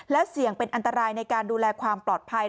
และเสี่ยงเป็นอันตรายในการดูแลความปลอดภัย